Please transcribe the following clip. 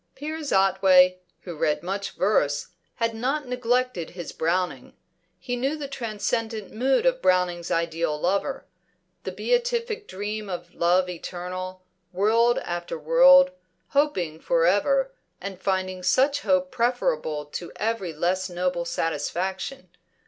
Piers Otway, who read much verse, had not neglected his Browning. He knew the transcendent mood of Browning's ideal lover the beatific dream of love eternal, world after world, hoping for ever, and finding such hope preferable to every less noble satisfaction.